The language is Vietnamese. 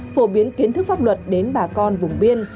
phổ biến kiến thức pháp luật đến bà con vùng biên